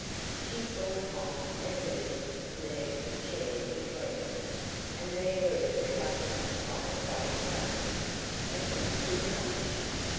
She saw Tom and Lucy with an empty chair between them, and there were the custards on a side table; it was too much.